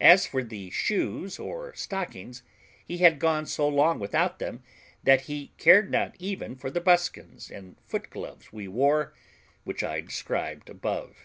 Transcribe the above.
As for shoes or stockings, he had gone so long without them that he cared not even for the buskins and foot gloves we wore, which I described above.